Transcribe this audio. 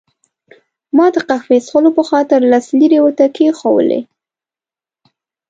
ما د قهوې څښلو په خاطر لس لیرې ورته کښېښوولې.